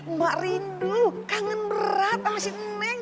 ma rindu kangen berat sama si neng